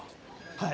はい。